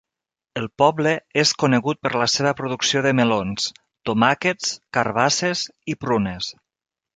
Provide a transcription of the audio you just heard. El poble és conegut per la seva producció de melons, tomàquets, carbasses i prunes.